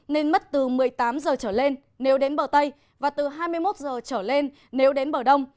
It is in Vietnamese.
nên mất từ một mươi tám giờ trở lên nếu đến bờ tây và từ hai mươi một giờ trở lên nếu đến bờ đông